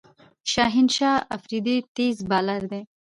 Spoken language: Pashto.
شاهین شاه آفريدي تېز بالر دئ.